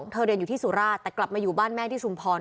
เรียนอยู่ที่สุราชแต่กลับมาอยู่บ้านแม่ที่ชุมพร